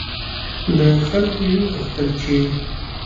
له خلکو یې وغوښتل چې